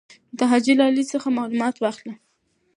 د حاجي لالي څخه معلومات واخله.